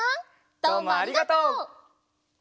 どうもありがとう！